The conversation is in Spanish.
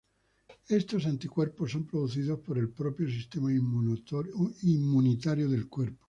Estos anticuerpos son producidos por el propio sistema inmunitario del cuerpo.